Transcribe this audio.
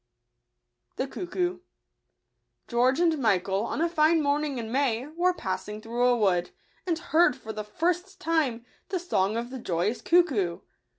®&e <g£ucfcoo. j^EORGE and Michael, on a fine morning in May, were passing through a wood, and heard for the first time the song of the joyous cuckoo.